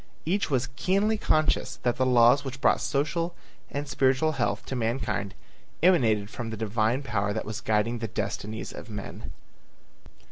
Each was keenly conscious that the laws which brought social and spiritual health to mankind emanated from the divine power that was guiding the destinies of men.